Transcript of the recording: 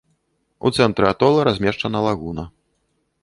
У цэнтры атола размешчана лагуна.